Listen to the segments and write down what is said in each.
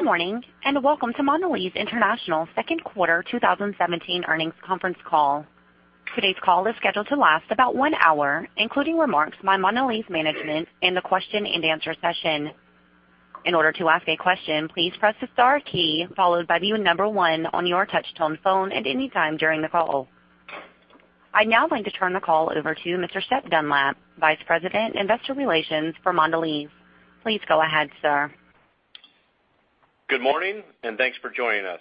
Good morning, and welcome to Mondelez International's second quarter 2017 earnings conference call. Today's call is scheduled to last about one hour, including remarks by Mondelez management and the question and answer session. In order to ask a question, please press the star key followed by the number one on your touch-tone phone at any time during the call. I'd now like to turn the call over to Mr. Shep Dunlap, Vice President, Investor Relations for Mondelez. Please go ahead, sir. Good morning, thanks for joining us.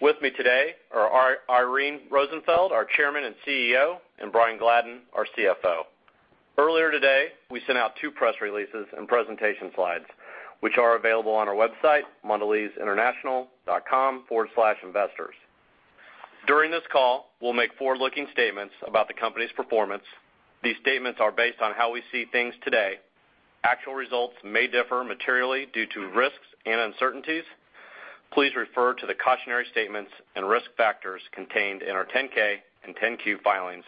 With me today are Irene Rosenfeld, our Chairman and CEO, and Brian Gladden, our CFO. Earlier today, we sent out two press releases and presentation slides, which are available on our website, mondelezinternational.com/investors. During this call, we'll make forward-looking statements about the company's performance. These statements are based on how we see things today. Actual results may differ materially due to risks and uncertainties. Please refer to the cautionary statements and risk factors contained in our 10-K and 10-Q filings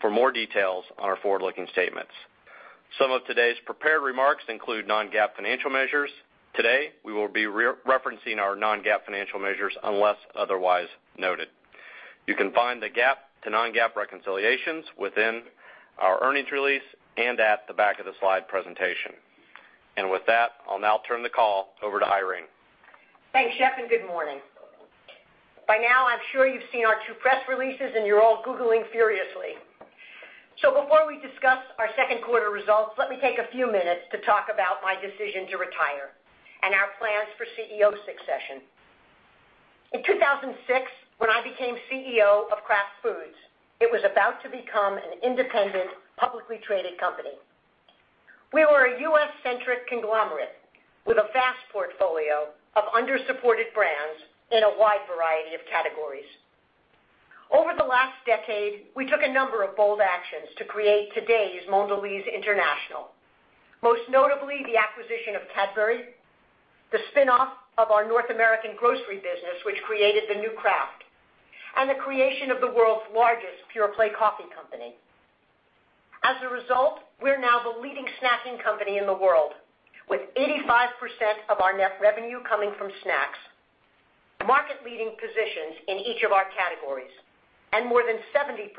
for more details on our forward-looking statements. Some of today's prepared remarks include non-GAAP financial measures. Today, we will be referencing our non-GAAP financial measures unless otherwise noted. You can find the GAAP to non-GAAP reconciliations within our earnings release and at the back of the slide presentation. With that, I'll now turn the call over to Irene. Thanks, Shep, good morning. By now, I'm sure you've seen our two press releases, and you're all googling furiously. Before we discuss our second quarter results, let me take a few minutes to talk about my decision to retire and our plans for CEO succession. In 2006, when I became CEO of Kraft Foods, it was about to become an independent, publicly traded company. We were a U.S.-centric conglomerate with a vast portfolio of under-supported brands in a wide variety of categories. Over the last decade, we took a number of bold actions to create today's Mondelez International, most notably the acquisition of Cadbury, the spinoff of our North American grocery business, which created the new Kraft, and the creation of the world's largest pure-play coffee company. As a result, we're now the leading snacking company in the world, with 85% of our net revenue coming from snacks, market-leading positions in each of our categories, and more than 70%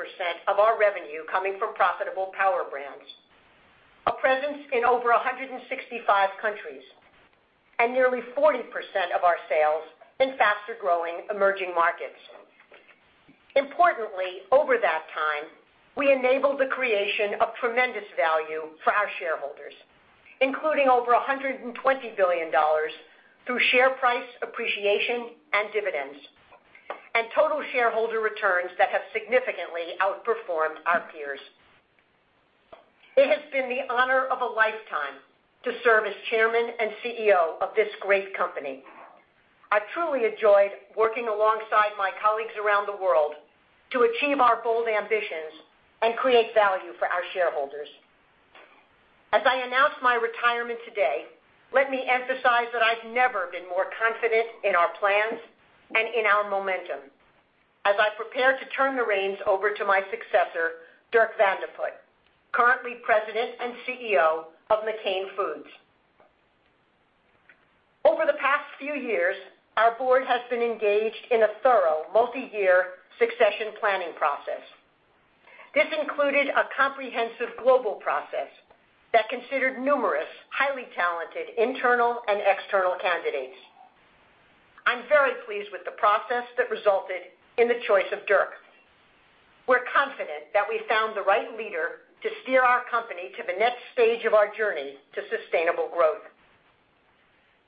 of our revenue coming from profitable power brands, a presence in over 165 countries, and nearly 40% of our sales in faster-growing emerging markets. Importantly, over that time, we enabled the creation of tremendous value for our shareholders, including over $120 billion through share price appreciation and dividends, and total shareholder returns that have significantly outperformed our peers. It has been the honor of a lifetime to serve as Chairman and CEO of this great company. I truly enjoyed working alongside my colleagues around the world to achieve our bold ambitions and create value for our shareholders. As I announce my retirement today, let me emphasize that I've never been more confident in our plans and in our momentum as I prepare to turn the reins over to my successor, Dirk Van de Put, currently President and CEO of McCain Foods. Over the past few years, our board has been engaged in a thorough multi-year succession planning process. This included a comprehensive global process that considered numerous highly talented internal and external candidates. I'm very pleased with the process that resulted in the choice of Dirk. We're confident that we found the right leader to steer our company to the next stage of our journey to sustainable growth.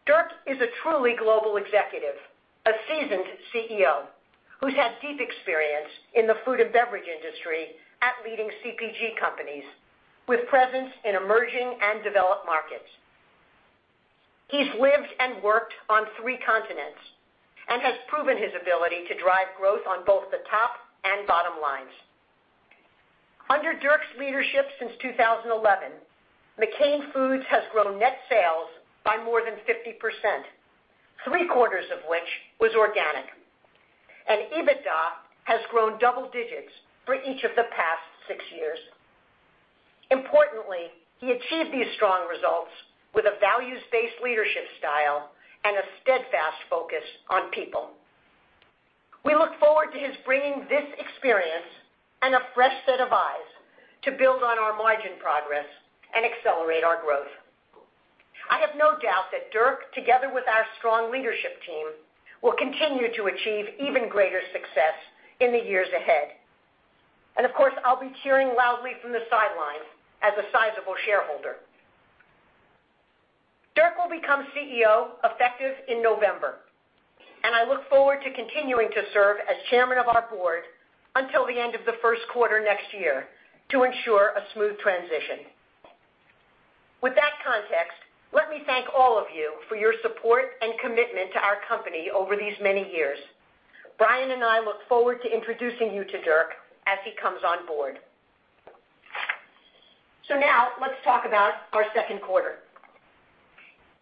Dirk is a truly global executive, a seasoned CEO who's had deep experience in the food and beverage industry at leading CPG companies with presence in emerging and developed markets. He's lived and worked on three continents and has proven his ability to drive growth on both the top and bottom lines. Under Dirk's leadership since 2011, McCain Foods has grown net sales by more than 50%, three-quarters of which was organic, and EBITDA has grown double digits for each of the past six years. Importantly, he achieved these strong results with a values-based leadership style and a steadfast focus on people. We look forward to his bringing this experience and a fresh set of eyes to build on our margin progress and accelerate our growth. Of course, I'll be cheering loudly from the sidelines as a sizable shareholder. Dirk will become CEO effective in November, and I look forward to continuing to serve as chairman of our board until the end of the first quarter next year to ensure a smooth transition. With that context, let me thank all of you for your support and commitment to our company over these many years. Brian and I look forward to introducing you to Dirk as he comes on board. Now let's talk about our second quarter.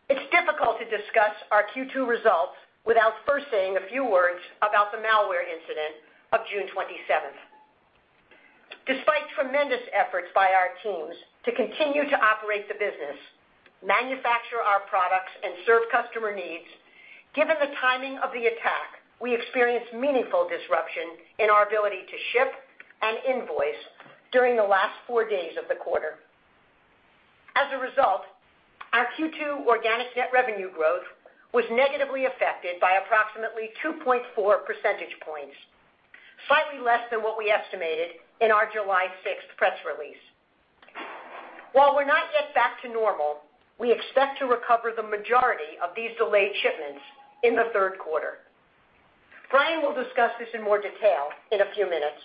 It's difficult to discuss our Q2 results without first saying a few words about the malware incident of June 27th. Despite tremendous efforts by our teams to continue to operate the business, manufacture our products, and serve customer needs, given the timing of the attack, we experienced meaningful disruption in our ability to ship and invoice during the last four days of the quarter. As a result, our Q2 organic net revenue growth was negatively affected by approximately 2.4 percentage points, slightly less than what we estimated in our July 6th press release. While we're not yet back to normal, we expect to recover the majority of these delayed shipments in the third quarter. Brian will discuss this in more detail in a few minutes.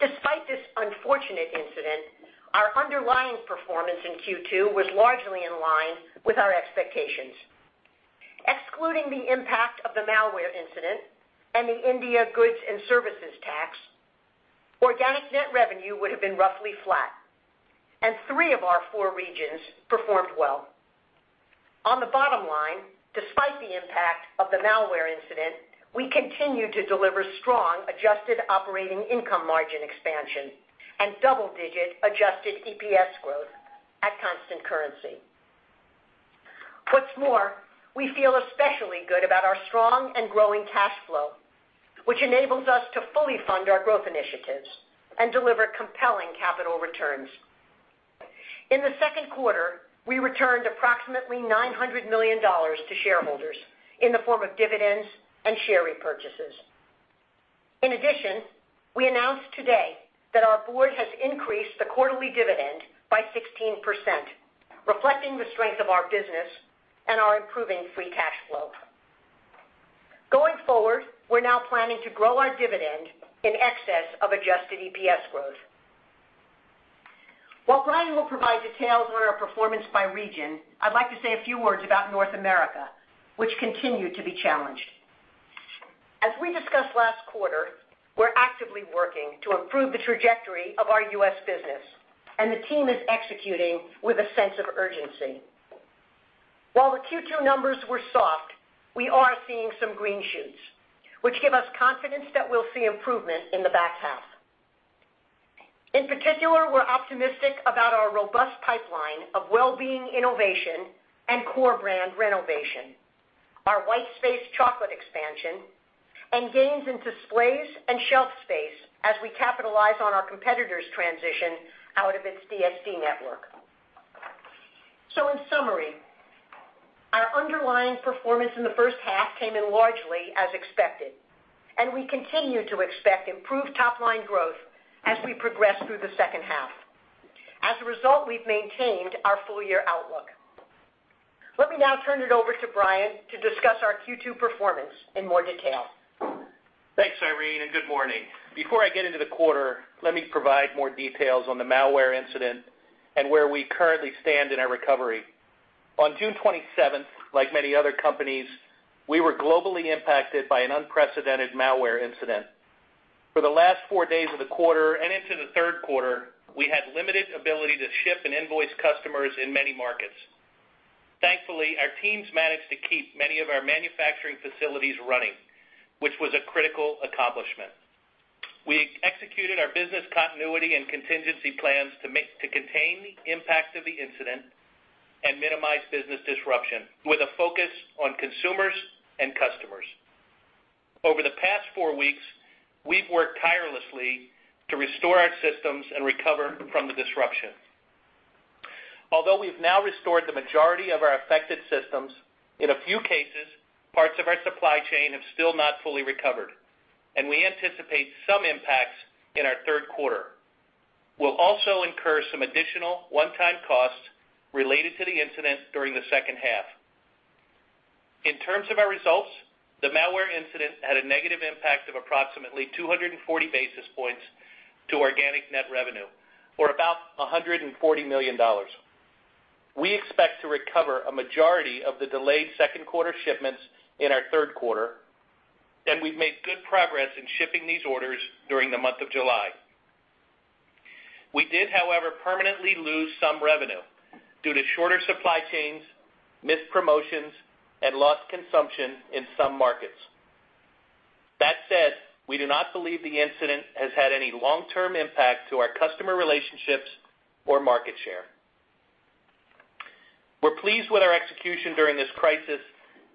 Despite this unfortunate incident, our underlying performance in Q2 was largely in line with our expectations. Excluding the impact of the malware incident and the India Goods and Services Tax, organic net revenue would have been roughly flat, and three of our four regions performed well. On the bottom line, despite the impact of the malware incident, we continued to deliver strong adjusted operating income margin expansion and double-digit adjusted EPS growth at constant currency. What's more, we feel especially good about our strong and growing cash flow, which enables us to fully fund our growth initiatives and deliver compelling capital returns. In the second quarter, we returned approximately $900 million to shareholders in the form of dividends and share repurchases. In addition, we announced today that our board has increased the quarterly dividend by 16%, reflecting the strength of our business and our improving free cash flow. Going forward, we're now planning to grow our dividend in excess of adjusted EPS growth. While Brian will provide details on our performance by region, I'd like to say a few words about North America, which continued to be challenged. As we discussed last quarter, we're actively working to improve the trajectory of our U.S. business, and the team is executing with a sense of urgency. While the Q2 numbers were soft, we are seeing some green shoots, which give us confidence that we'll see improvement in the back half. In particular, we're optimistic about our robust pipeline of wellbeing innovation and core brand renovation, our white space chocolate expansion, and gains in displays and shelf space as we capitalize on our competitor's transition out of its DSD network. In summary, our underlying performance in the first half came in largely as expected, and we continue to expect improved top-line growth as we progress through the second half. As a result, we've maintained our full-year outlook. Let me now turn it over to Brian to discuss our Q2 performance in more detail. Thanks, Irene, good morning. Before I get into the quarter, let me provide more details on the malware incident and where we currently stand in our recovery. On June 27th, like many other companies, we were globally impacted by an unprecedented malware incident. For the last four days of the quarter and into the third quarter, we had limited ability to ship and invoice customers in many markets. Thankfully, our teams managed to keep many of our manufacturing facilities running, which was a critical accomplishment. We executed our business continuity and contingency plans to contain the impact of the incident and minimize business disruption with a focus on consumers and customers. Over the past four weeks, we've worked tirelessly to restore our systems and recover from the disruption. Although we've now restored the majority of our affected systems, in a few cases, parts of our supply chain have still not fully recovered, and we anticipate some impacts in our third quarter. We'll also incur some additional one-time costs related to the incident during the second half. In terms of our results, the malware incident had a negative impact of approximately 240 basis points to organic net revenue or about $140 million. We expect to recover a majority of the delayed second quarter shipments in our third quarter, and we've made good progress in shipping these orders during the month of July. We did, however, permanently lose some revenue due to shorter supply chains, missed promotions, and lost consumption in some markets. That said, we do not believe the incident has had any long-term impact to our customer relationships or market share. We're pleased with our execution during this crisis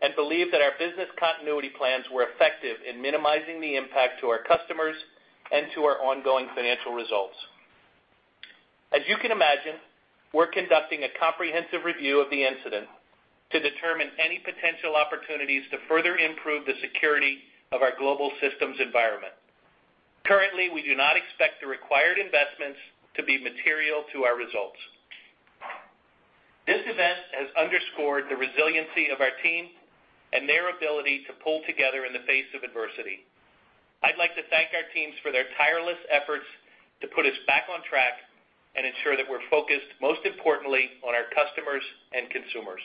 and believe that our business continuity plans were effective in minimizing the impact to our customers and to our ongoing financial results. As you can imagine, we're conducting a comprehensive review of the incident to determine any potential opportunities to further improve the security of our global systems environment. Currently, we do not expect the required investments to be material to our results. This event has underscored the resiliency of our team and their ability to pull together in the face of adversity. I'd like to thank our teams for their tireless efforts to put us back on track and ensure that we're focused, most importantly, on our customers and consumers.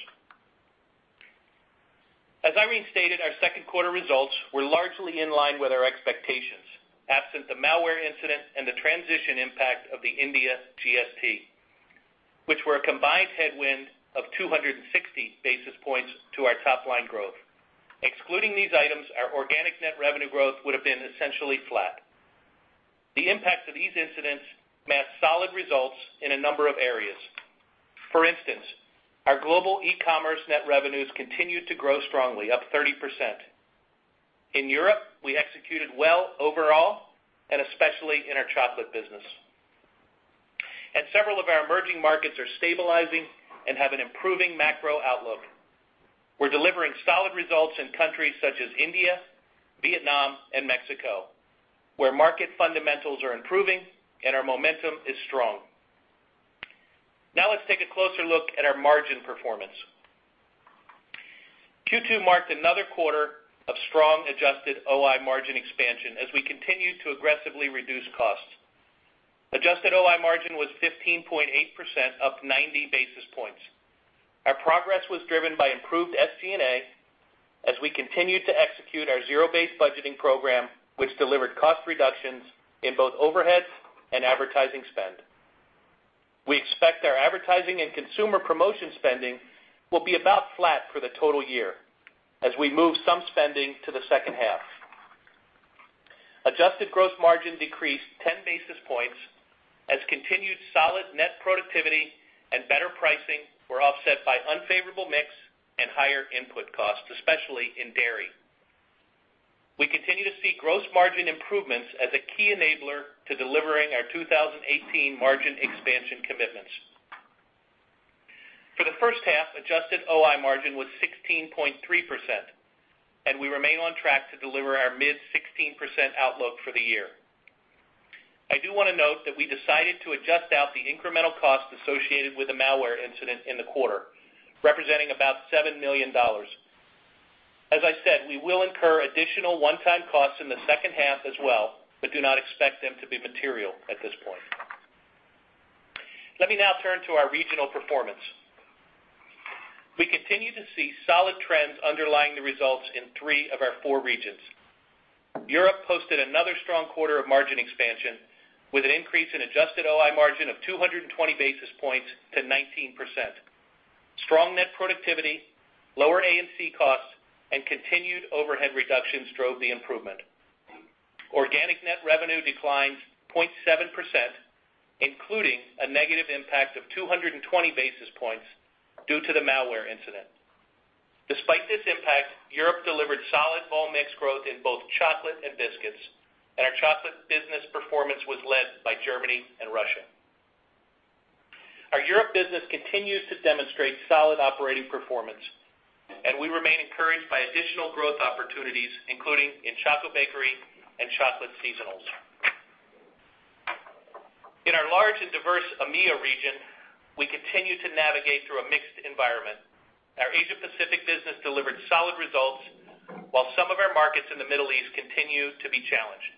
As Irene stated, our second quarter results were largely in line with our expectations, absent the malware incident and the transition impact of the India GST. For a combined headwind of 260 basis points to our top-line growth. Excluding these items, our organic net revenue growth would have been essentially flat. The impacts of these incidents matched solid results in a number of areas. For instance, our global e-commerce net revenues continued to grow strongly, up 30%. In Europe, we executed well overall and especially in our chocolate business. Several of our emerging markets are stabilizing and have an improving macro outlook. We're delivering solid results in countries such as India, Vietnam, and Mexico, where market fundamentals are improving and our momentum is strong. Now let's take a closer look at our margin performance. Q2 marked another quarter of strong adjusted OI margin expansion as we continued to aggressively reduce costs. Adjusted OI margin was 15.8%, up 90 basis points. Our progress was driven by improved SG&A as we continued to execute our zero-based budgeting program, which delivered cost reductions in both overheads and advertising spend. We expect our advertising and consumer promotion spending will be about flat for the total year as we move some spending to the second half. Adjusted gross margin decreased 10 basis points as continued solid net productivity and better pricing were offset by unfavorable mix and higher input costs, especially in dairy. We continue to see gross margin improvements as a key enabler to delivering our 2018 margin expansion commitments. For the first half, adjusted OI margin was 16.3%, and we remain on track to deliver our mid-16% outlook for the year. I do want to note that we decided to adjust out the incremental cost associated with the malware incident in the quarter, representing about $7 million. As I said, we will incur additional one-time costs in the second half as well, but do not expect them to be material at this point. Let me now turn to our regional performance. We continue to see solid trends underlying the results in three of our four regions. Europe posted another strong quarter of margin expansion with an increase in adjusted OI margin of 220 basis points to 19%. Strong net productivity, lower A&C costs, and continued overhead reductions drove the improvement. Organic net revenue declined 0.7%, including a negative impact of 220 basis points due to the malware incident. Despite this impact, Europe delivered solid volume mix growth in both chocolate and biscuits, and our chocolate business performance was led by Germany and Russia. Our Europe business continues to demonstrate solid operating performance, and we remain encouraged by additional growth opportunities, including in Choco bakery and chocolate seasonals. In our large and diverse EMEA region, we continue to navigate through a mixed environment. Our Asia-Pacific business delivered solid results, while some of our markets in the Middle East continue to be challenged.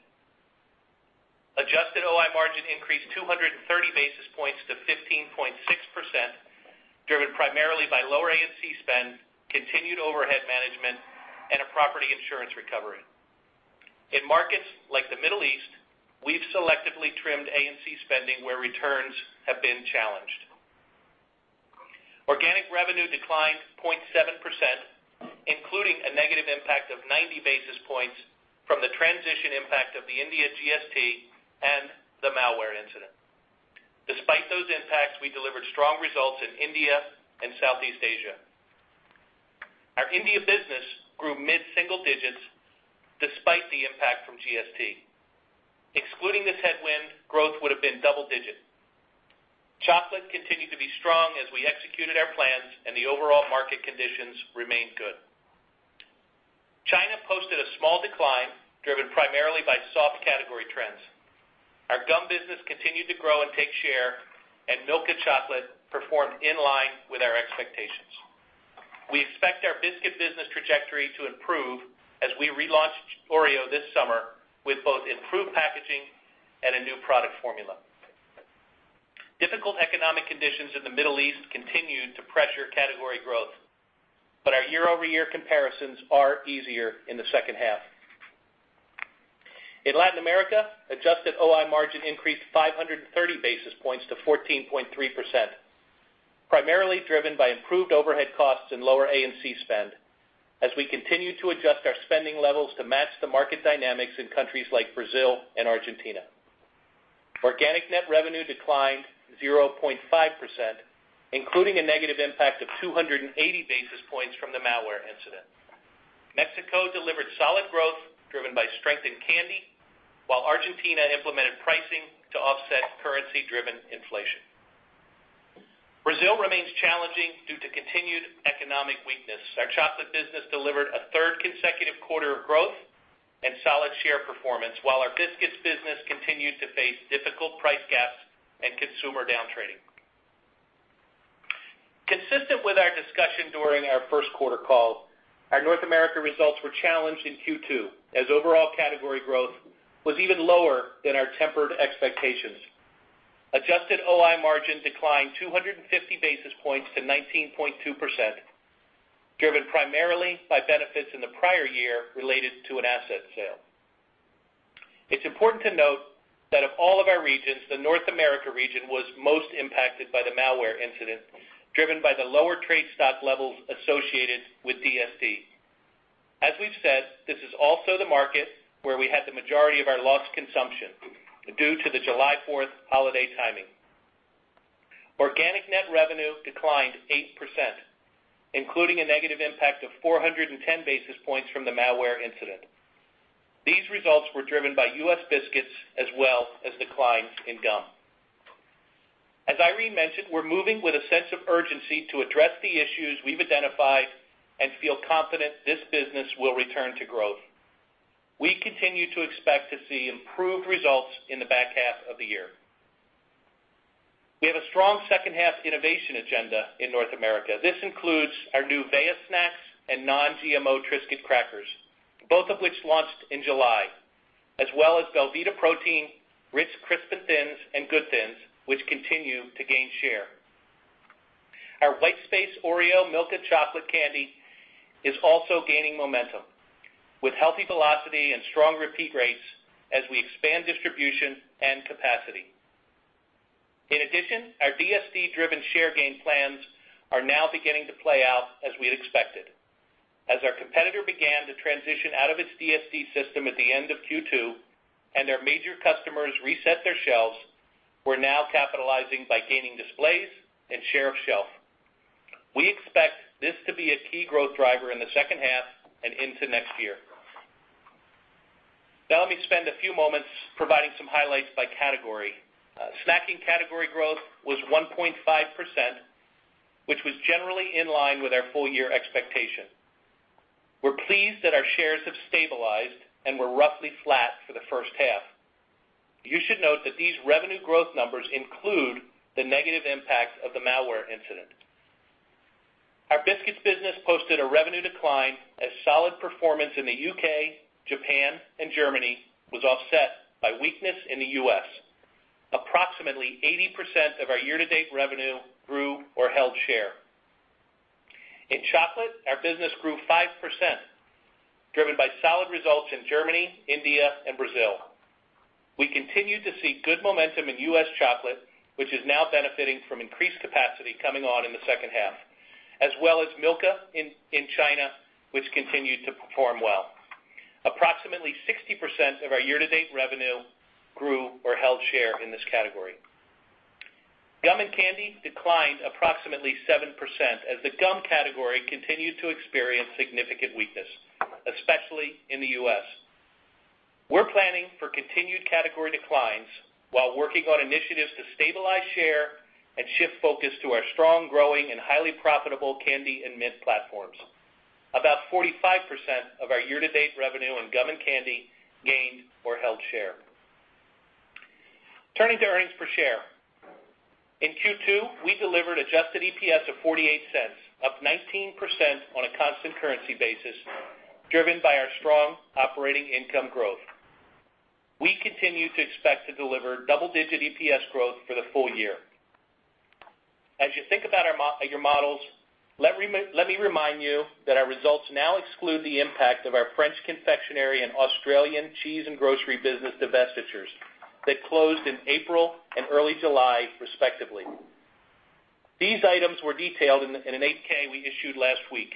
Adjusted OI margin increased 230 basis points to 15.6%, driven primarily by lower A&C spend, continued overhead management, and a property insurance recovery. In markets like the Middle East, we've selectively trimmed A&C spending where returns have been challenged. Organic revenue declined 0.7%, including a negative impact of 90 basis points from the transition impact of the India GST and the malware incident. Despite those impacts, we delivered strong results in India and Southeast Asia. Our India business grew mid-single digits despite the impact from GST. Excluding this headwind, growth would have been double digits. Chocolate continued to be strong as we executed our plans and the overall market conditions remained good. China posted a small decline, driven primarily by soft category trends. Our gum business continued to grow and take share, and milk and chocolate performed in line with our expectations. We expect our biscuit business trajectory to improve as we relaunched Oreo this summer with both improved packaging and a new product formula. Difficult economic conditions in the Middle East continue to pressure category growth, our year-over-year comparisons are easier in the second half. In Latin America, adjusted OI margin increased 530 basis points to 14.3%, primarily driven by improved overhead costs and lower A&C spend as we continue to adjust our spending levels to match the market dynamics in countries like Brazil and Argentina. Organic net revenue declined 0.5%, including a negative impact of 280 basis points from the malware incident. Mexico delivered solid growth driven by strength in candy, while Argentina implemented pricing to offset currency-driven inflation. Brazil remains challenging due to continued economic weakness. Our chocolate business delivered a third consecutive quarter of growth and solid share performance while our biscuits business continued to face difficult price gaps and consumer down-trading. Consistent with our discussion during our first quarter call, our North America results were challenged in Q2 as overall category growth was even lower than our tempered expectations. Adjusted OI margin declined 250 basis points to 19.2%, driven primarily by benefits in the prior year related to an asset sale. It's important to note that of all of our regions, the North America region was most impacted by the malware incident, driven by the lower trade stock levels associated with DSD. As we've said, this is also the market where we had the majority of our lost consumption due to the July 4th holiday timing. Organic net revenue declined 8%, including a negative impact of 410 basis points from the malware incident. These results were driven by U.S. biscuits as well as declines in gum. As Irene mentioned, we're moving with a sense of urgency to address the issues we've identified and feel confident this business will return to growth. We continue to expect to see improved results in the back half of the year. We have a strong second-half innovation agenda in North America. This includes our new Véa snacks and non-GMO Triscuit crackers, both of which launched in July, as well as belVita Protein, Ritz Crisp & Thins, and Good Thins, which continue to gain share. Our white space Oreo milk and chocolate candy is also gaining momentum, with healthy velocity and strong repeat rates as we expand distribution and capacity. In addition, our DSD-driven share gain plans are now beginning to play out as we had expected. As our competitor began to transition out of its DSD system at the end of Q2, and their major customers reset their shelves, we're now capitalizing by gaining displays and share of shelf. We expect this to be a key growth driver in the second half and into next year. Now let me spend a few moments providing some highlights by category. Snacking category growth was 1.5%, which was generally in line with our full-year expectation. We're pleased that our shares have stabilized and were roughly flat for the first half. You should note that these revenue growth numbers include the negative impacts of the malware incident. Our biscuits business posted a revenue decline as solid performance in the U.K., Japan, and Germany was offset by weakness in the U.S. Approximately 80% of our year-to-date revenue grew or held share. In chocolate, our business grew 5%, driven by solid results in Germany, India and Brazil. We continue to see good momentum in U.S. chocolate, which is now benefiting from increased capacity coming on in the second half, as well as Milka in China, which continued to perform well. Approximately 60% of our year-to-date revenue grew or held share in this category. Gum and candy declined approximately 7% as the gum category continued to experience significant weakness, especially in the U.S. We're planning for continued category declines while working on initiatives to stabilize share and shift focus to our strong, growing, and highly profitable candy and mint platforms. About 45% of our year-to-date revenue in gum and candy gained or held share. Turning to earnings per share. In Q2, we delivered adjusted EPS of $0.48, up 19% on a constant currency basis, driven by our strong operating income growth. We continue to expect to deliver double-digit EPS growth for the full year. As you think about your models, let me remind you that our results now exclude the impact of our French confectionery and Australian cheese and grocery business divestitures that closed in April and early July, respectively. These items were detailed in an 8-K we issued last week.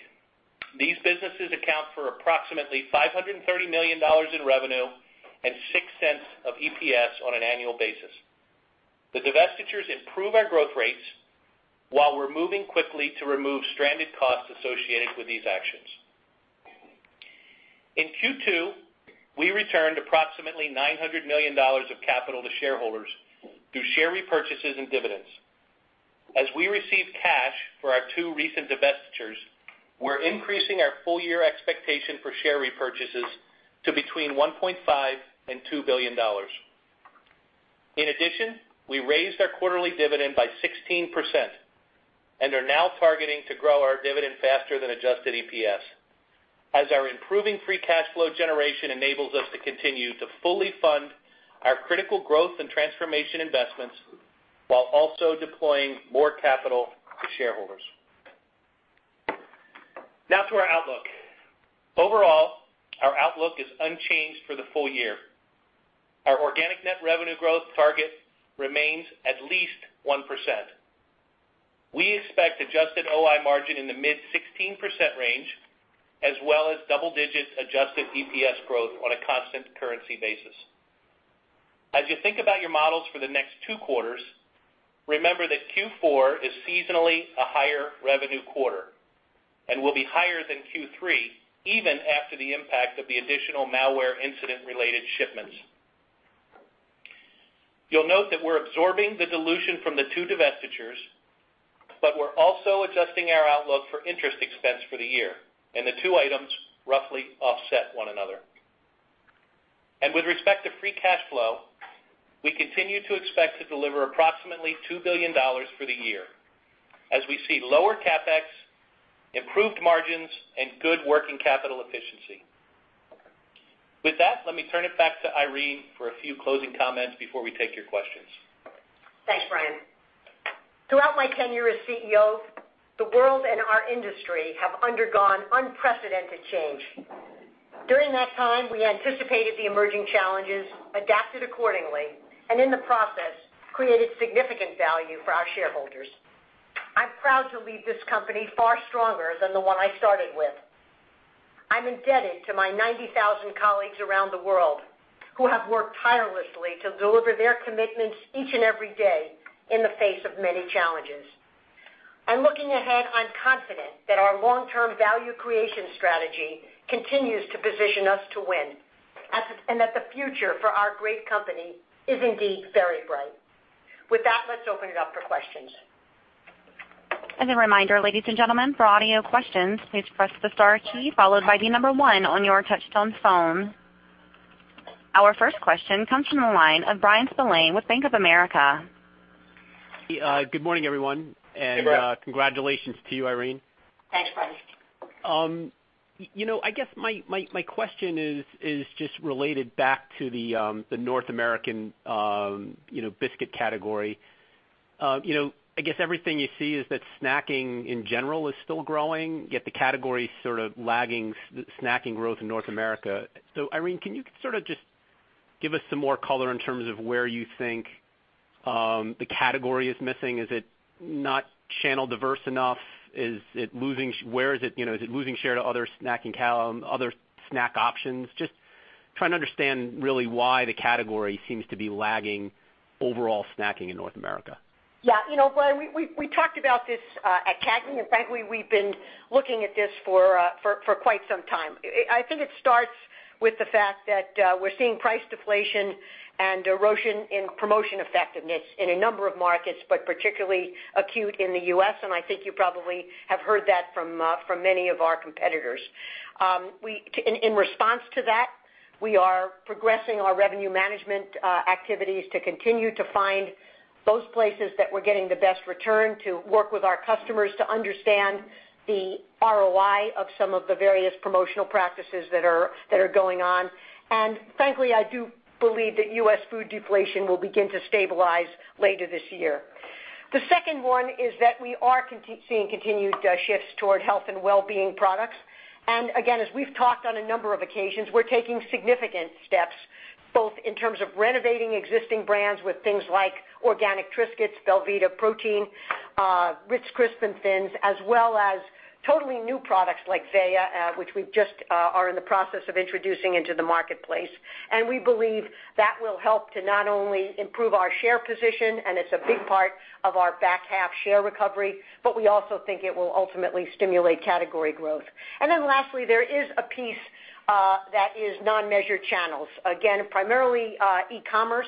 These businesses account for approximately $530 million in revenue and $0.06 of EPS on an annual basis. The divestitures improve our growth rates while we're moving quickly to remove stranded costs associated with these actions. In Q2, we returned approximately $900 million of capital to shareholders through share repurchases and dividends. As we receive cash for our two recent divestitures, we're increasing our full-year expectation for share repurchases to between $1.5 billion and $2 billion. In addition, we raised our quarterly dividend by 16% and are now targeting to grow our dividend faster than adjusted EPS as our improving free cash flow generation enables us to continue to fully fund our critical growth and transformation investments while also deploying more capital to shareholders. Our outlook is unchanged for the full year. Our organic net revenue growth target remains at least 1%. We expect adjusted OI margin in the mid-16% range, as well as double-digit adjusted EPS growth on a constant currency basis. As you think about your models for the next two quarters, remember that Q4 is seasonally a higher revenue quarter and will be higher than Q3, even after the impact of the additional malware incident-related shipments. You'll note that we're absorbing the dilution from the two divestitures, but we're also adjusting our outlook for interest expense for the year, and the two items roughly offset one another. With respect to free cash flow, we continue to expect to deliver approximately $2 billion for the year as we see lower CapEx, improved margins, and good working capital efficiency. With that, let me turn it back to Irene for a few closing comments before we take your questions. Thanks, Brian. Throughout my tenure as CEO, the world and our industry have undergone unprecedented change. During that time, we anticipated the emerging challenges, adapted accordingly, and in the process, created significant value for our shareholders. I'm proud to leave this company far stronger than the one I started with. I'm indebted to my 90,000 colleagues around the world who have worked tirelessly to deliver their commitments each and every day in the face of many challenges. Looking ahead, I'm confident that our long-term value creation strategy continues to position us to win, and that the future for our great company is indeed very bright. With that, let's open it up for questions. As a reminder, ladies and gentlemen, for audio questions, please press the star key followed by the number one on your touch-tone phone. Our first question comes from the line of Bryan Spillane with Bank of America. Good morning, everyone. Good morning. Congratulations to you, Irene. Thanks, Bryan. I guess my question is just related back to the North American biscuit category. I guess everything you see is that snacking in general is still growing, yet the category is sort of lagging snacking growth in North America. Irene, can you sort of just give us some more color in terms of where you think the category is missing? Is it not channel diverse enough? Is it losing share to other snack options? Just trying to understand really why the category seems to be lagging overall snacking in North America. Yeah. Brian, we talked about this at CAGNY, and frankly, we've been looking at this for quite some time. I think it starts with the fact that we're seeing price deflation and erosion in promotion effectiveness in a number of markets, but particularly acute in the U.S., and I think you probably have heard that from many of our competitors. In response to that, we are progressing our revenue management activities to continue to find those places that we're getting the best return to work with our customers to understand the ROI of some of the various promotional practices that are going on. Frankly, I do believe that U.S. food deflation will begin to stabilize later this year. The second one is that we are seeing continued shifts toward health and wellbeing products. Again, as we've talked on a number of occasions, we're taking significant steps, both in terms of renovating existing brands with things like organic Triscuits, belVita Protein, Ritz Crisp & Thins, as well as totally new products like Véa, which we just are in the process of introducing into the marketplace. We believe that will help to not only improve our share position, and it's a big part of our back half share recovery, but we also think it will ultimately stimulate category growth. Lastly, there is a piece that is non-measured channels. Again, primarily e-commerce,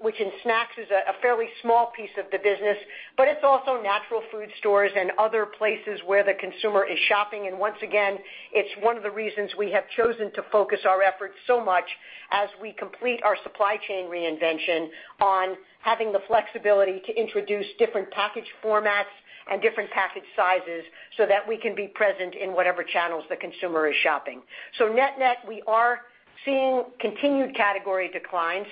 which in snacks is a fairly small piece of the business, but it's also natural food stores and other places where the consumer is shopping. Once again, it's one of the reasons we have chosen to focus our efforts so much as we complete our supply chain reinvention on having the flexibility to introduce different package formats and different package sizes so that we can be present in whatever channels the consumer is shopping. Net-net, we are seeing continued category declines.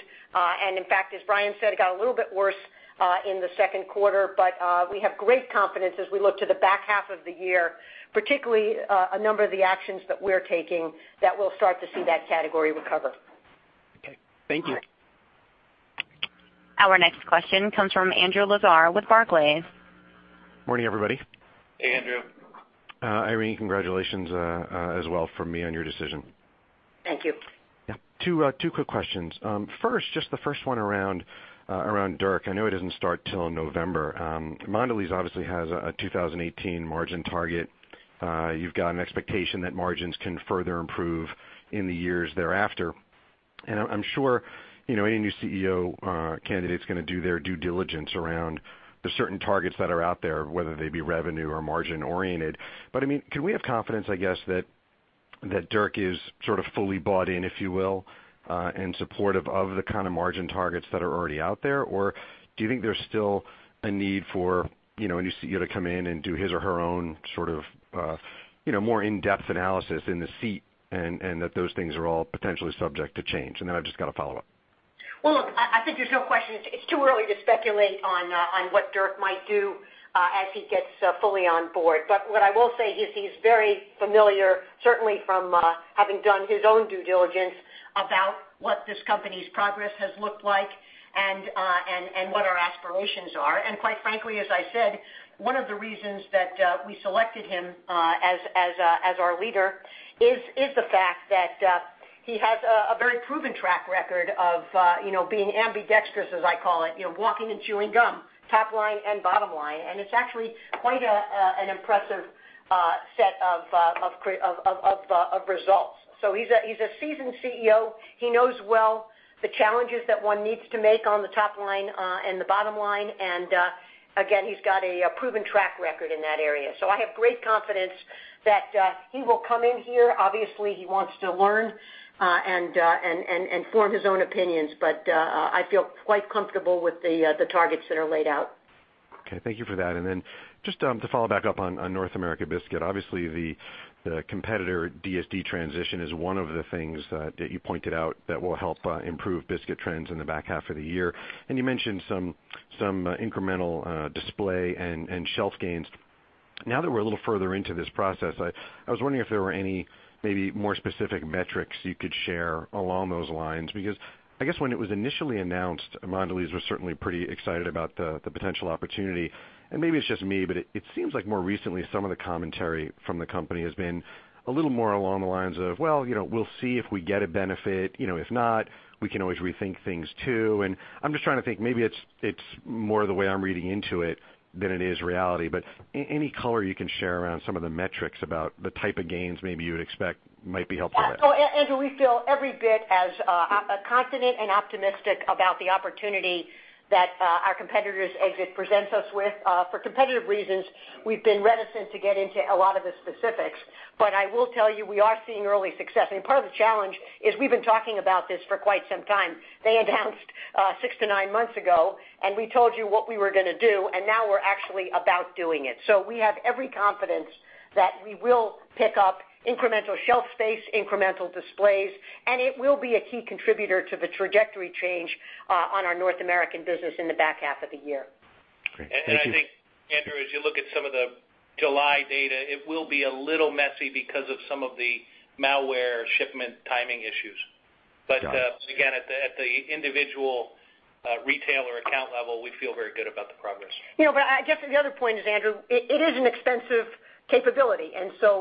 In fact, as Brian said, it got a little bit worse in the second quarter. We have great confidence as we look to the back half of the year, particularly a number of the actions that we're taking that we'll start to see that category recover. Okay. Thank you. Our next question comes from Andrew Lazar with Barclays. Morning, everybody. Hey, Andrew. Irene, congratulations as well from me on your decision. Thank you. Yeah. Two quick questions. First, just the first one around Dirk. I know it doesn't start till November. Mondelez obviously has a 2018 margin target. You've got an expectation that margins can further improve in the years thereafter. I'm sure any new CEO candidate's going to do their due diligence around the certain targets that are out there, whether they be revenue or margin oriented. Can we have confidence, I guess, that Dirk is sort of fully bought in, if you will, in support of the kind of margin targets that are already out there? Or do you think there's still a need for a new CEO to come in and do his or her own sort of more in-depth analysis in the seat and that those things are all potentially subject to change? I've just got a follow-up. Well, look, I think there's no question it's too early to speculate on what Dirk might do as he gets fully on board. What I will say is he's very familiar, certainly from having done his own due diligence, about what this company's progress has looked like and what our aspirations are. Quite frankly, as I said, one of the reasons that we selected him as our leader is the fact that he has a very proven track record of being ambidextrous, as I call it, walking and chewing gum, top line and bottom line. It's actually quite an impressive set of results. He's a seasoned CEO. He knows well the challenges that one needs to make on the top line and the bottom line. Again, he's got a proven track record in that area. I have great confidence that he will come in here. Obviously, he wants to learn and form his own opinions, but I feel quite comfortable with the targets that are laid out. Okay. Thank you for that. Then just to follow back up on North America biscuit, obviously the competitor DSD transition is one of the things that you pointed out that will help improve biscuit trends in the back half of the year. You mentioned some incremental display and shelf gains. Now that we're a little further into this process, I was wondering if there were any maybe more specific metrics you could share along those lines, because I guess when it was initially announced, Mondelez was certainly pretty excited about the potential opportunity. Maybe it's just me, but it seems like more recently, some of the commentary from the company has been a little more along the lines of, "Well, we'll see if we get a benefit. If not, we can always rethink things, too." I'm just trying to think, maybe it's more the way I'm reading into it than it is reality, but any color you can share around some of the metrics about the type of gains maybe you would expect might be helpful there. Yeah. Andrew, we feel every bit as confident and optimistic about the opportunity that our competitor's exit presents us with. For competitive reasons, we've been reticent to get into a lot of the specifics, but I will tell you, we are seeing early success. Part of the challenge is we've been talking about this for quite some time. They announced six to nine months ago. We told you what we were going to do. Now we're actually about doing it. We have every confidence that we will pick up incremental shelf space, incremental displays, and it will be a key contributor to the trajectory change on our North American business in the back half of the year. Great. Thank you. I think, Andrew, as you look at some of the July data, it will be a little messy because of some of the Mondelez shipment timing issues. Got it. Again, at the individual retailer account level, we feel very good about the progress. I guess the other point is, Andrew, it is an expensive capability.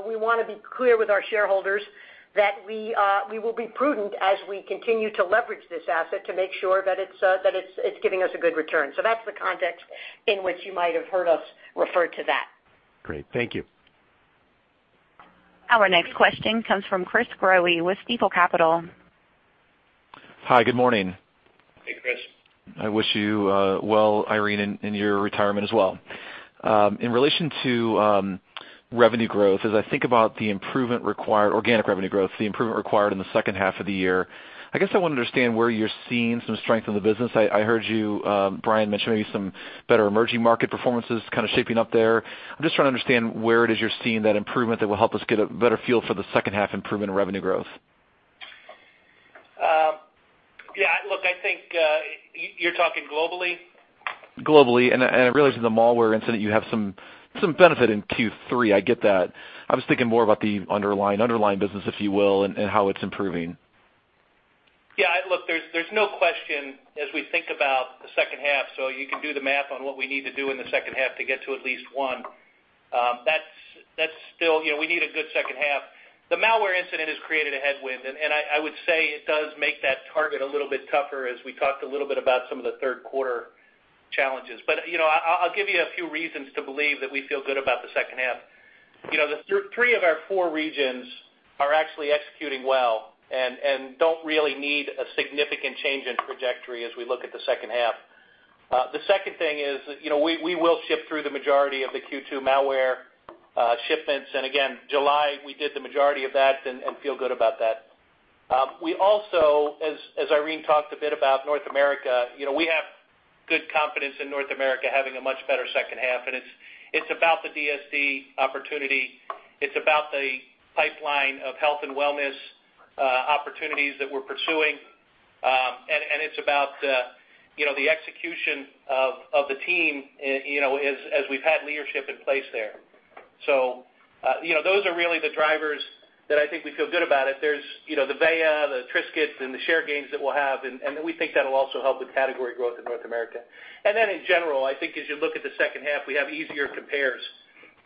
We want to be clear with our shareholders that we will be prudent as we continue to leverage this asset to make sure that it's giving us a good return. That's the context in which you might have heard us refer to that. Great. Thank you. Our next question comes from Chris Growe with Stifel Capital. Hi, good morning. Hey, Chris. I wish you well, Irene, in your retirement as well. In relation to revenue growth, as I think about the improvement required, organic revenue growth, the improvement required in the second half of the year, I guess I want to understand where you're seeing some strength in the business. I heard you, Brian, mention maybe some better emerging market performances kind of shaping up there. I'm just trying to understand where it is you're seeing that improvement that will help us get a better feel for the second half improvement in revenue growth. Yeah, look, I think you're talking globally? Globally, I realize in the malware incident, you have some benefit in Q3. I get that. I was thinking more about the underlying business, if you will, and how it's improving. Yeah. Look, there's no question as we think about the second half, you can do the math on what we need to do in the second half to get to at least one. We need a good second half. The malware incident has created a headwind, I would say it does make that target a little bit tougher as we talked a little bit about some of the third quarter challenges. I'll give you a few reasons to believe that we feel good about the second half. Three of our four regions are actually executing well and don't really need a significant change in trajectory as we look at the second half. The second thing is we will ship through the majority of the Q2 malware shipments. Again, July, we did the majority of that and feel good about that. We also, as Irene talked a bit about North America, we have good confidence in North America having a much better second half, it's about the DSD opportunity. It's about the pipeline of health and wellness opportunities that we're pursuing. It's about the execution of the team as we've had leadership in place there. Those are really the drivers that I think we feel good about it. There's the Véa, the Triscuit, and the share gains that we'll have, and we think that'll also help with category growth in North America. In general, I think as you look at the second half, we have easier compares.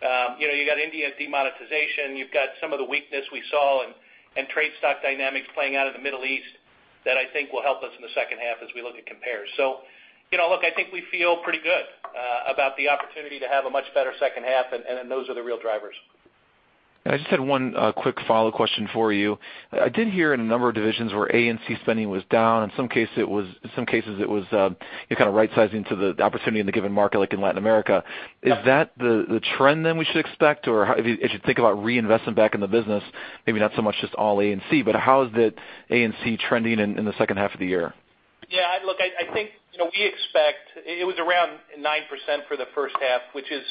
You got India demonetization, you've got some of the weakness we saw in trade stock dynamics playing out in the Middle East that I think will help us in the second half as we look at compares. Look, I think we feel pretty good about the opportunity to have a much better second half, those are the real drivers. I just had one quick follow question for you. I did hear in a number of divisions where A&C spending was down. In some cases, it was kind of right-sizing to the opportunity in the given market, like in Latin America. Yeah. Is that the trend we should expect? I should think about reinvestment back in the business, maybe not so much just all A&C, but how is A&C trending in the second half of the year? Yeah, look, I think we expect it was around 9% for the first half, which is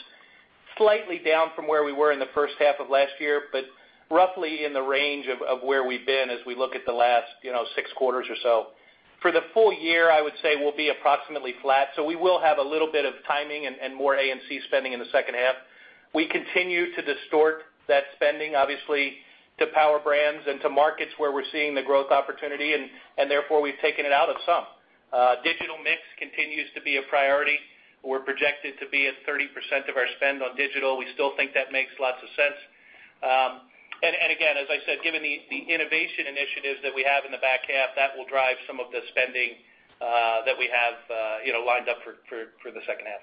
slightly down from where we were in the first half of last year, but roughly in the range of where we've been as we look at the last six quarters or so. For the full year, I would say we'll be approximately flat. We will have a little bit of timing and more A&C spending in the second half. We continue to distort that spending, obviously, to power brands and to markets where we're seeing the growth opportunity, and therefore we've taken it out of some. Digital mix continues to be a priority. We're projected to be at 30% of our spend on digital. We still think that makes lots of sense. Again, as I said, given the innovation initiatives that we have in the back half, that will drive some of the spending that we have lined up for the second half.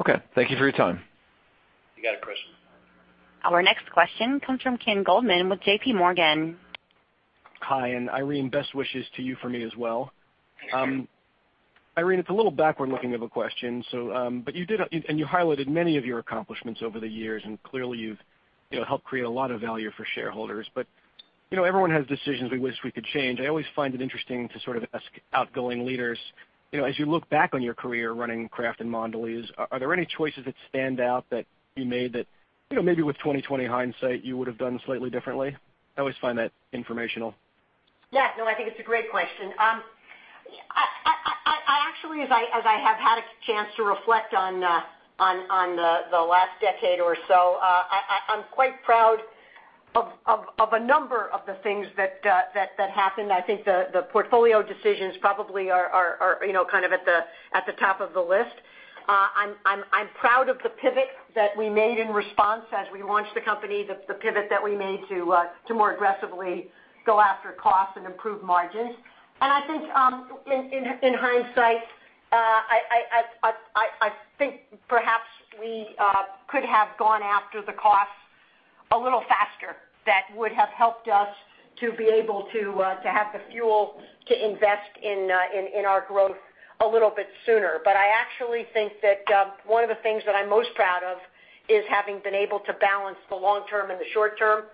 Okay. Thank you for your time. You got it, Chris. Our next question comes from Ken Goldman with JP Morgan. Hi, Irene, best wishes to you from me as well. Thanks, Ken. Irene, it's a little backward-looking of a question, you highlighted many of your accomplishments over the years, clearly you've helped create a lot of value for shareholders. Everyone has decisions we wish we could change. I always find it interesting to sort of ask outgoing leaders, as you look back on your career running Kraft and Mondelez, are there any choices that stand out that you made that maybe with 20/20 hindsight, you would have done slightly differently? I always find that informational. Yeah, no, I think it's a great question. I actually, as I have had a chance to reflect on the last decade or so, I'm quite proud of a number of the things that happened. I think the portfolio decisions probably are at the top of the list. I'm proud of the pivot that we made in response as we launched the company, the pivot that we made to more aggressively go after costs and improve margins. I think, in hindsight, I think perhaps we could have gone after the costs a little faster. That would have helped us to be able to have the fuel to invest in our growth a little bit sooner. I actually think that one of the things that I'm most proud of is having been able to balance the long term and the short term,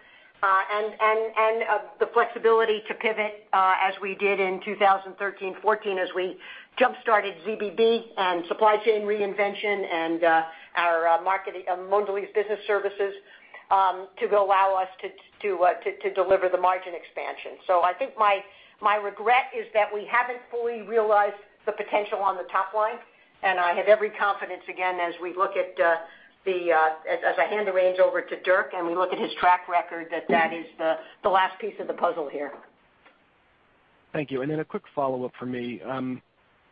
and the flexibility to pivot, as we did in 2013, 2014, as we jump-started ZBB and supply chain reinvention and our Mondelez Business Services, to allow us to deliver the margin expansion. I think my regret is that we haven't fully realized the potential on the top line, and I have every confidence, again, as I hand the reins over to Dirk and we look at his track record, that that is the last piece of the puzzle here. Thank you. Then a quick follow-up from me.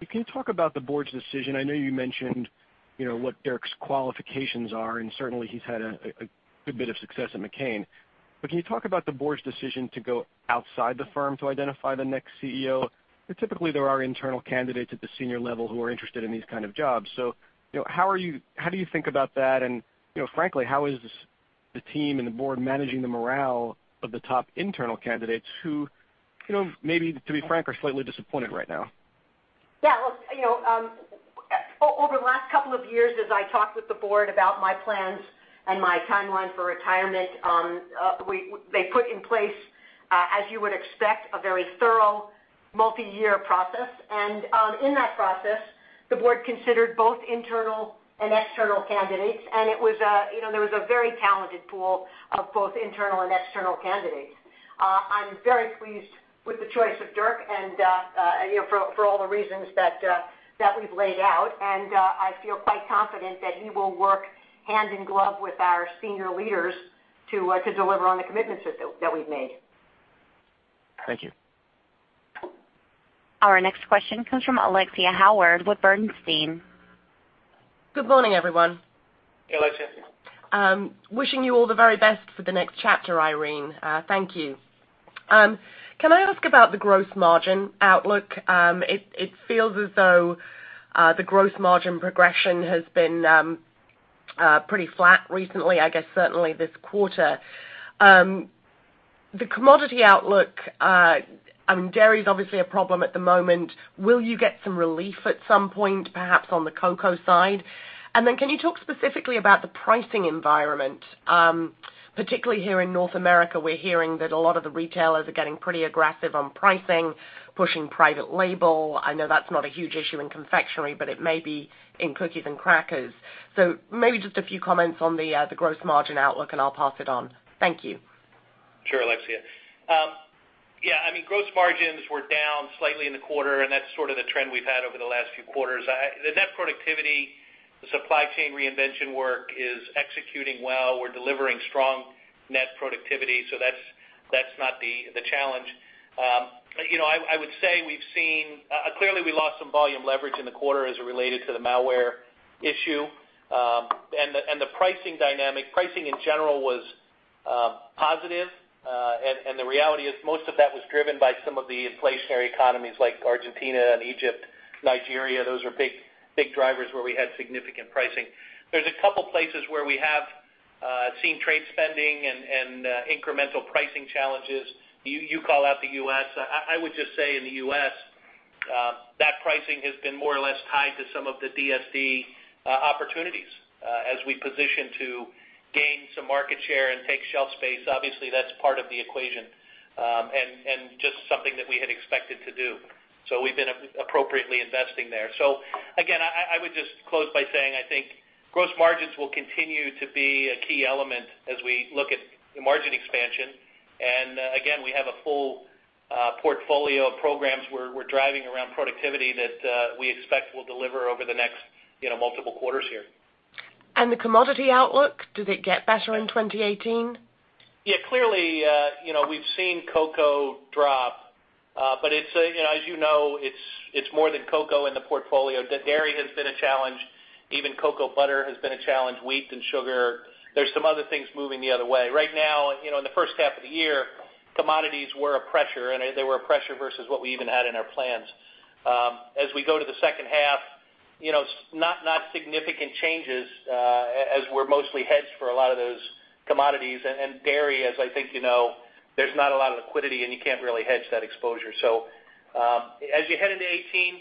Can you talk about the board's decision? I know you mentioned what Dirk's qualifications are, certainly he's had a good bit of success at McCain. Can you talk about the board's decision to go outside the firm to identify the next CEO? Because typically there are internal candidates at the senior level who are interested in these kind of jobs. How do you think about that? Frankly, how is the team and the board managing the morale of the top internal candidates who, maybe to be frank, are slightly disappointed right now? Yeah, look, over the last couple of years, as I talked with the board about my plans and my timeline for retirement, they put in place, as you would expect, a very thorough multi-year process. In that process, the board considered both internal and external candidates, there was a very talented pool of both internal and external candidates. I'm very pleased with the choice of Dirk and for all the reasons that we've laid out. I feel quite confident that he will work hand in glove with our senior leaders to deliver on the commitments that we've made. Thank you. Our next question comes from Alexia Howard with Bernstein. Good morning, everyone. Hey, Alexia. Wishing you all the very best for the next chapter, Irene. Thank you. Can I ask about the gross margin outlook? It feels as though the gross margin progression has been pretty flat recently, I guess certainly this quarter. The commodity outlook, dairy is obviously a problem at the moment. Will you get some relief at some point, perhaps on the cocoa side? Can you talk specifically about the pricing environment? Particularly here in North America, we're hearing that a lot of the retailers are getting pretty aggressive on pricing, pushing private label. I know that's not a huge issue in confectionery, but it may be in cookies and crackers. Maybe just a few comments on the gross margin outlook, and I'll pass it on. Thank you. Sure, Alexia. Yeah, gross margins were down slightly in the quarter, and that's sort of the trend we've had over the last few quarters. The net productivity, the supply chain reinvention work is executing well. We're delivering strong net productivity, so that's not the challenge. I would say clearly we lost some volume leverage in the quarter as it related to the malware issue. The pricing dynamic, pricing in general was positive. The reality is most of that was driven by some of the inflationary economies like Argentina and Egypt, Nigeria. Those are big drivers where we had significant pricing. There's a couple places where we have seen trade spending and incremental pricing challenges. You call out the U.S. I would just say in the U.S., that pricing has been more or less tied to some of the DSD opportunities. As we position to gain some market share and take shelf space, obviously that's part of the equation, and just something that we had expected to do. We've been appropriately investing there. Again, I would just close by saying, I think gross margins will continue to be a key element as we look at margin expansion. Again, we have a full portfolio of programs we're driving around productivity that we expect will deliver over the next multiple quarters here. The commodity outlook, does it get better in 2018? Yeah. Clearly, we've seen cocoa drop. As you know, it's more than cocoa in the portfolio. Dairy has been a challenge. Even cocoa butter has been a challenge, wheat and sugar. There's some other things moving the other way. Right now, in the first half of the year, commodities were a pressure, and they were a pressure versus what we even had in our plans. As we go to the second half, not significant changes, as we're mostly hedged for a lot of those commodities. Dairy, as I think you know, there's not a lot of liquidity, and you can't really hedge that exposure. As you head into 2018,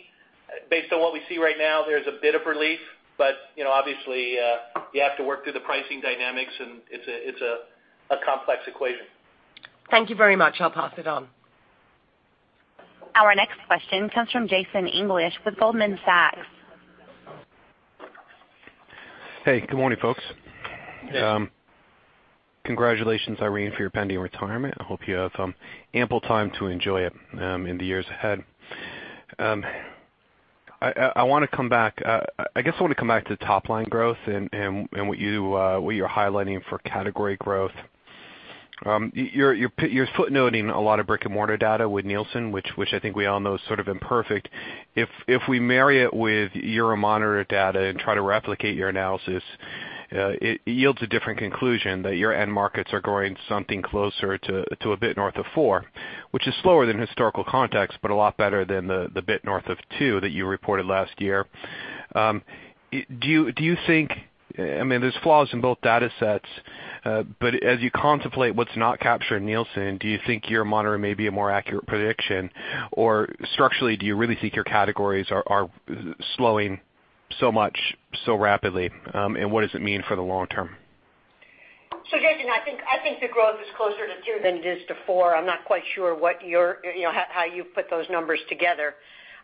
based on what we see right now, there's a bit of relief, but obviously, you have to work through the pricing dynamics, and it's a complex equation. Thank you very much. I'll pass it on. Our next question comes from Jason English with Goldman Sachs. Hey, good morning, folks. Yeah. Congratulations, Irene, for your pending retirement. I hope you have ample time to enjoy it in the years ahead. I guess I want to come back to top-line growth and what you're highlighting for category growth. You're footnoting a lot of brick-and-mortar data with Nielsen, which I think we all know is sort of imperfect. If we marry it with Euromonitor data and try to replicate your analysis, it yields a different conclusion that your end markets are growing something closer to a bit north of four, which is slower than historical context, but a lot better than the bit north of two that you reported last year. There's flaws in both data sets, but as you contemplate what's not captured in Nielsen, do you think Euromonitor may be a more accurate prediction, or structurally, do you really think your categories are slowing so much so rapidly? What does it mean for the long term? Jason, I think the growth is closer to two than it is to four. I'm not quite sure how you put those numbers together.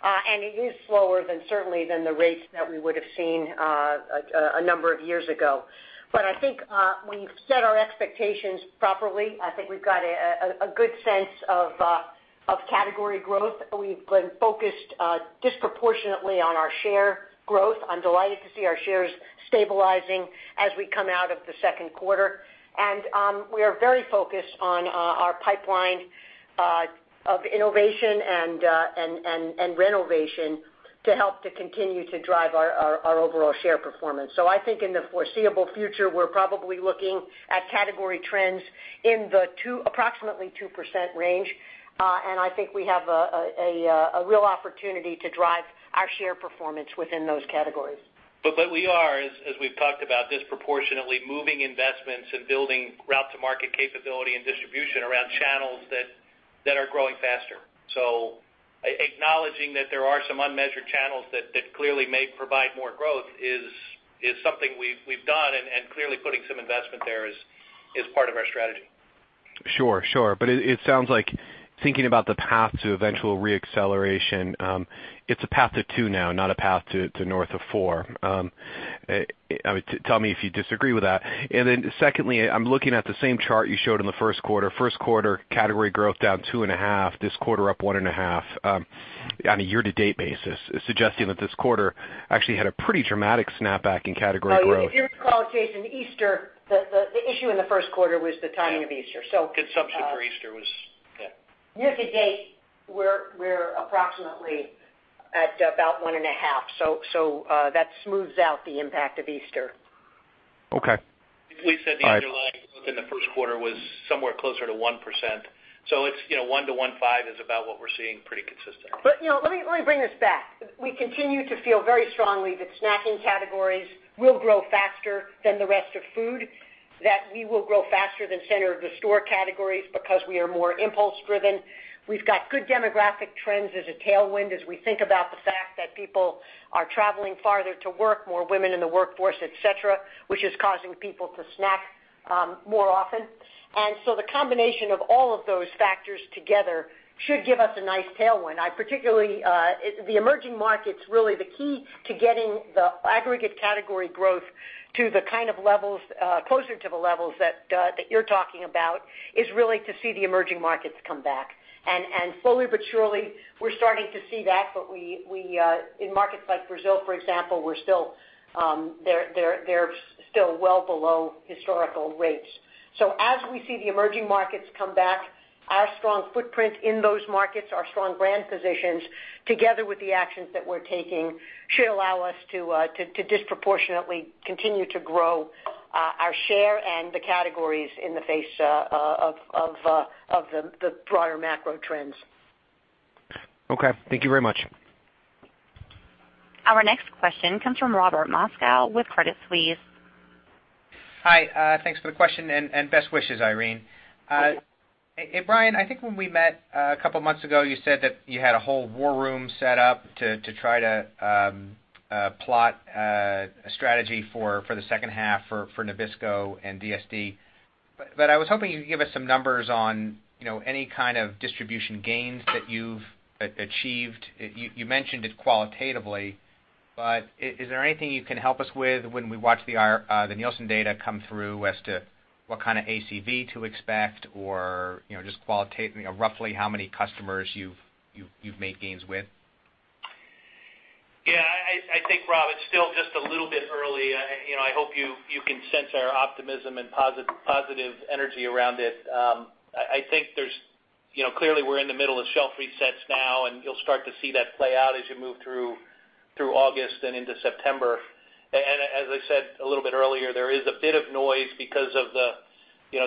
It is slower than certainly than the rates that we would have seen a number of years ago. I think we've set our expectations properly. I think we've got a good sense of category growth. We've been focused disproportionately on our share growth. I'm delighted to see our shares stabilizing as we come out of the second quarter. We are very focused on our pipeline of innovation and renovation to help to continue to drive our overall share performance. I think in the foreseeable future, we're probably looking at category trends in the approximately 2% range. I think we have a real opportunity to drive our share performance within those categories. We are, as we've talked about, disproportionately moving investments and building route-to-market capability and distribution around channels that are growing faster. Acknowledging that there are some unmeasured channels that clearly may provide more growth is something we've done and clearly putting some investment there is part of our strategy. Sure. It sounds like thinking about the path to eventual re-acceleration, it's a path to 2 now, not a path to north of 4. Tell me if you disagree with that. Secondly, I'm looking at the same chart you showed in the first quarter. First quarter category growth down 2.5%, this quarter up 1.5% on a year-to-date basis, suggesting that this quarter actually had a pretty dramatic snapback in category growth. If you recall, Jason, the issue in the first quarter was the timing of Easter. Consumption for Easter was, yeah. Year to date, we're approximately at about 1.5. That smooths out the impact of Easter. Okay. All right. We said the underlying growth in the first quarter was somewhere closer to 1%. 1%-1.5% is about what we're seeing pretty consistently. Let me bring this back. We continue to feel very strongly that snacking categories will grow faster than the rest of food, that we will grow faster than center-of-the-store categories because we are more impulse driven. We've got good demographic trends as a tailwind as we think about the fact that people are traveling farther to work, more women in the workforce, et cetera, which is causing people to snack more often. The combination of all of those factors together should give us a nice tailwind. The emerging markets, really the key to getting the aggregate category growth closer to the levels that you're talking about is really to see the emerging markets come back. Slowly but surely, we're starting to see that, but in markets like Brazil, for example, they're still well below historical rates. As we see the emerging markets come back, our strong footprint in those markets, our strong brand positions, together with the actions that we're taking, should allow us to disproportionately continue to grow our share and the categories in the face of the broader macro trends. Okay. Thank you very much. Our next question comes from Robert Moskow with Credit Suisse. Hi, thanks for the question and best wishes, Irene. Brian, I think when we met a couple of months ago, you said that you had a whole war room set up to try to plot a strategy for the second half for Nabisco and DSD. I was hoping you could give us some numbers on any kind of distribution gains that you've achieved. You mentioned it qualitatively, but is there anything you can help us with when we watch the Nielsen data come through as to what kind of ACV to expect or just roughly how many customers you've made gains with? Yeah, I think, Rob, it's still just a little bit early. I hope you can sense our optimism and positive energy around it. Clearly, we're in the middle of shelf resets now, you'll start to see that play out as you move through August and into September. As I said a little bit earlier, there is a bit of noise because of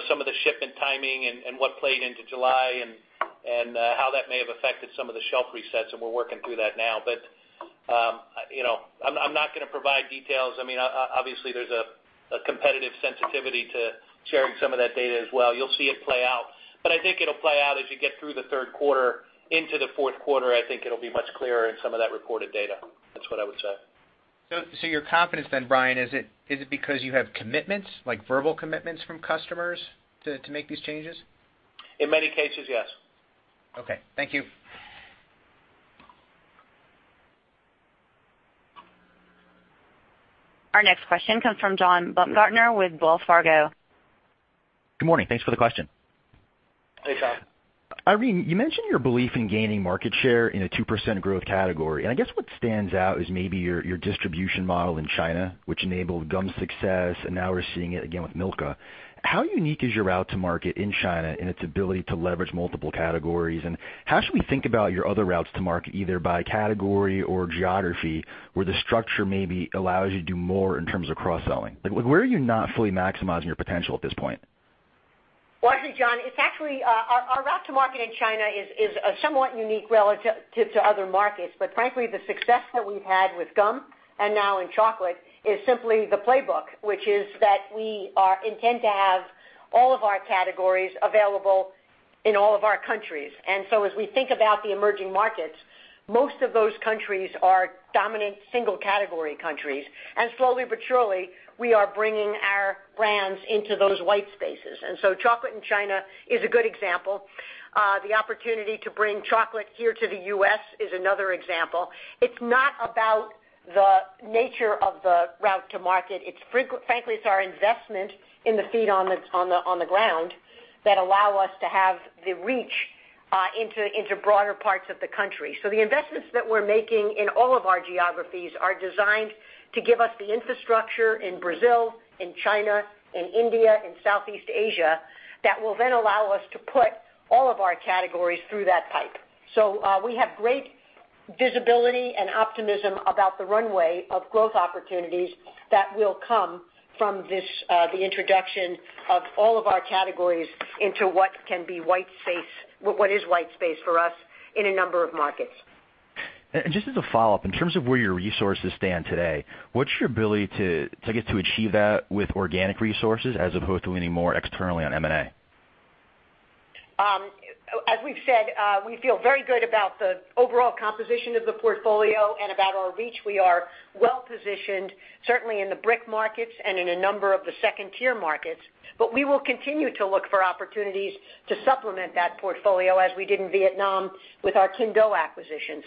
some of the shipment timing and what played into July and how that may have affected some of the shelf resets, and we're working through that now. I'm not going to provide details. Obviously, there's a competitive sensitivity to sharing some of that data as well. You'll see it play out. I think it'll play out as you get through the third quarter into the fourth quarter. I think it'll be much clearer in some of that reported data. That's what I would say. Your confidence then, Brian, is it because you have commitments, like verbal commitments from customers to make these changes? In many cases, yes. Okay. Thank you. Our next question comes from John Baumgartner with Wells Fargo. Good morning. Thanks for the question. Hey, John. Irene, you mentioned your belief in gaining market share in a 2% growth category, and I guess what stands out is maybe your distribution model in China, which enabled gum success, and now we're seeing it again with Milka. How unique is your route to market in China in its ability to leverage multiple categories? How should we think about your other routes to market, either by category or geography, where the structure maybe allows you to do more in terms of cross-selling? Where are you not fully maximizing your potential at this point? Well, actually, John, our route to market in China is somewhat unique relative to other markets. Frankly, the success that we've had with gum and now in chocolate is simply the playbook, which is that we intend to have all of our categories available in all of our countries. As we think about the emerging markets, most of those countries are dominant single category countries. Slowly but surely, we are bringing our brands into those white spaces. Chocolate in China is a good example. The opportunity to bring chocolate here to the U.S. is another example. It's not about the nature of the route to market. Frankly, it's our investment in the feet on the ground that allow us to have the reach into broader parts of the country. The investments that we're making in all of our geographies are designed to give us the infrastructure in Brazil, in China, in India, in Southeast Asia, that will then allow us to put all of our categories through that pipe. We have great visibility and optimism about the runway of growth opportunities that will come from the introduction of all of our categories into what is white space for us in a number of markets. Just as a follow-up, in terms of where your resources stand today, what's your ability to achieve that with organic resources as opposed to leaning more externally on M&A? As we've said, we feel very good about the overall composition of the portfolio and about our reach. We are well-positioned, certainly in the BRIC markets and in a number of the second-tier markets, but we will continue to look for opportunities to supplement that portfolio as we did in Vietnam with our Kinh Do acquisition.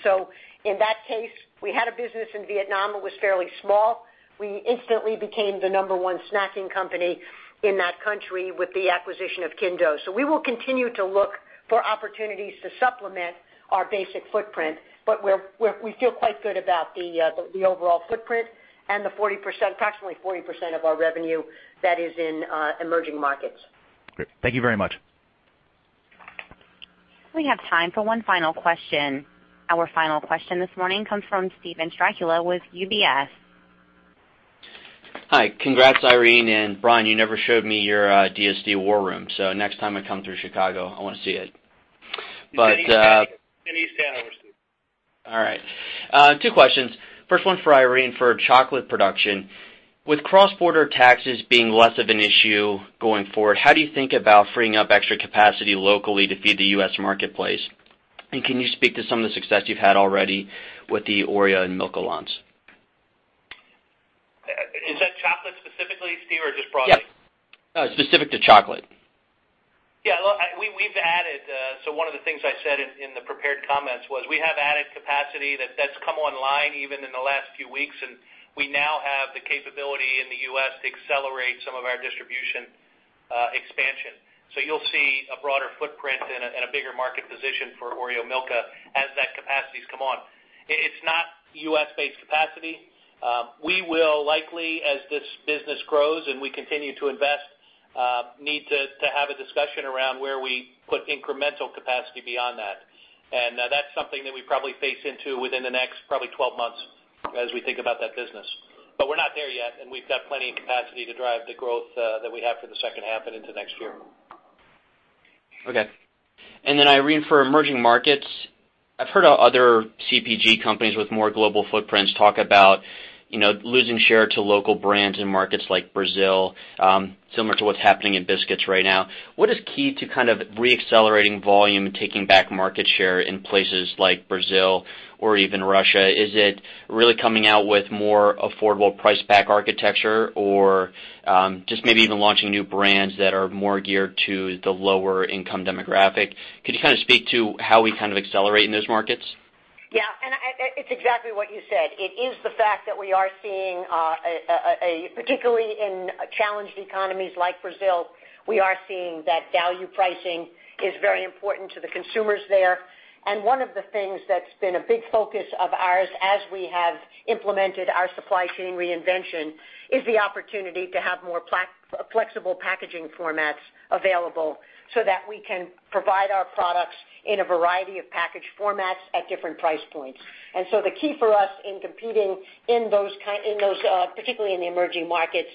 In that case, we had a business in Vietnam. It was fairly small. We instantly became the number 1 snacking company in that country with the acquisition of Kinh Do. We will continue to look for opportunities to supplement our basic footprint, but we feel quite good about the overall footprint and the approximately 40% of our revenue that is in emerging markets. Great. Thank you very much. We have time for one final question. Our final question this morning comes from Steven Strycula with UBS. Hi. Congrats, Irene and Brian. You never showed me your DSD war room. Next time I come through Chicago, I want to see it. It's in East Hanover, Steve. All right. Two questions. First one for Irene for chocolate production. With cross-border taxes being less of an issue going forward, how do you think about freeing up extra capacity locally to feed the U.S. marketplace? Can you speak to some of the success you've had already with the Oreo and Milka launch? Is that chocolate specifically, Steve, or just broadly? Yes. Specific to chocolate. Yeah, one of the things I said in the prepared comments was we have added capacity that's come online even in the last few weeks, and we now have the capability in the U.S. to accelerate some of our distribution expansion. You'll see a broader footprint and a bigger market position for Milka Oreo as that capacity's come on. It's not U.S.-based capacity. We will likely, as this business grows and we continue to invest, need to have a discussion around where we put incremental capacity beyond that. That's something that we probably face into within the next probably 12 months as we think about that business. We're not there yet, and we've got plenty of capacity to drive the growth that we have for the second half and into next year. Okay. Irene, for emerging markets, I've heard other CPG companies with more global footprints talk about losing share to local brands in markets like Brazil, similar to what's happening in biscuits right now. What is key to re-accelerating volume and taking back market share in places like Brazil or even Russia? Is it really coming out with more affordable price pack architecture or just maybe even launching new brands that are more geared to the lower income demographic? Could you speak to how we accelerate in those markets? Yeah, it's exactly what you said. It is the fact that particularly in challenged economies like Brazil, we are seeing that value pricing is very important to the consumers there. One of the things that's been a big focus of ours as we have implemented our supply chain reinvention is the opportunity to have more flexible packaging formats available so that we can provide our products in a variety of package formats at different price points. The key for us in competing particularly in the emerging markets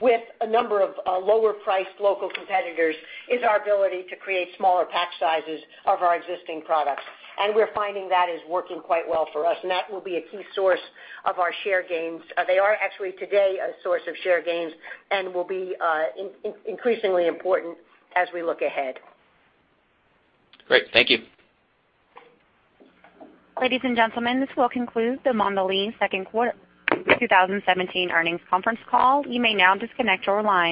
with a number of lower priced local competitors, is our ability to create smaller pack sizes of our existing products. We're finding that is working quite well for us, and that will be a key source of our share gains. They are actually today a source of share gains and will be increasingly important as we look ahead. Great. Thank you. Ladies and gentlemen, this will conclude the Mondelez second quarter 2017 earnings conference call. You may now disconnect your line.